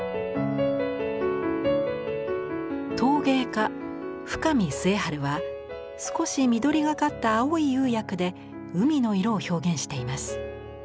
陶芸家深見陶治は少し緑がかった青い釉薬で海の色を表現しています。